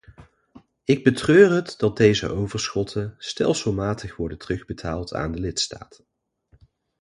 Ik betreur het dat deze overschotten stelselmatig worden terugbetaald aan de lidstaten.